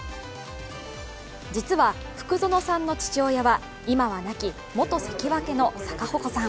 実は、福薗さんの父親は今は亡き、元関脇の逆鉾さん。